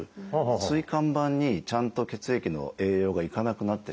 椎間板にちゃんと血液の栄養が行かなくなってしまう。